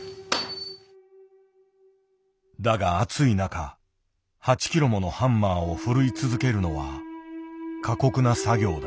だが暑い中８キロものハンマーをふるい続けるのは過酷な作業だ。